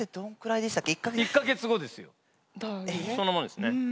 そんなもんですね。